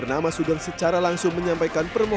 nah kira kira bagaimana bapak soleh